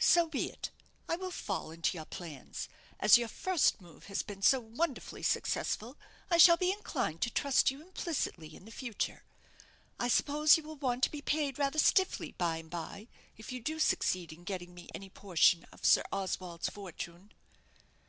"So be it; I will fall into your plans. As your first move has been so wonderfully successful, I shall be inclined to trust you implicitly in the future. I suppose you will want to be paid rather stiffly by and bye, if you do succeed in getting me any portion of Sir Oswald's fortune?"